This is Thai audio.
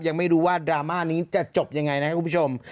ยังไม่รู้ว่าดราม่านี้จะจบยังไงนะครับคุณผู้ชม